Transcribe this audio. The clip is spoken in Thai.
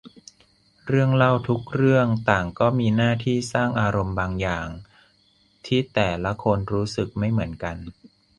เรื่องเล่าทุกเรื่องต่างก็มีหน้าที่สร้างอารมณ์บางอย่าง ที่แต่ละคนรู้สึกไม่เหมือนกัน